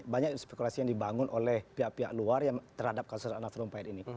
banyak spekulasi yang dibangun oleh pihak pihak luar yang terhadap kasus anak terumpah ini